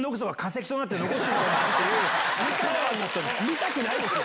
見たくないです！